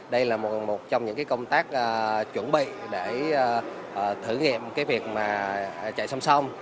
đây là một trong những công tác chuẩn bị để thử nghiệm cái việc mà chạy song song